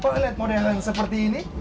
pernah lihat model yang seperti ini